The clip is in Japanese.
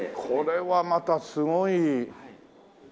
これはまたすごい。